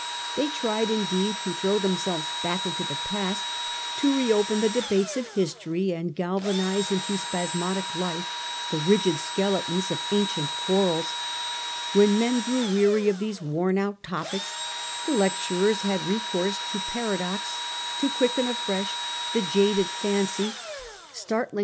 They tried, indeed, to throw themselves back into the past, to re open the debates of history, and galvanize into spasmodic life the rigid skeletons of ancient quarrels. When men grew weary of these worn out topics, the lecturers had recourse 'to paradox to quicken afresh the laded fancy, startling 1 82 The Age of the Antonines. ch. vm.